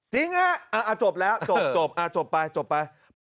จริงฮะจบแล้วจบจบไปจบไป